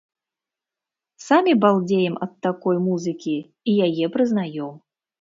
Самі балдзеем ад такой музыкі і яе прызнаём.